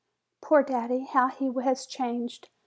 Poor daddy, how he was changed!